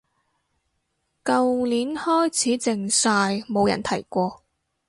舊年開始靜晒冇人提過